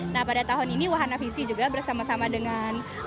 nah pada tahun ini wahana visi juga bersama sama dengan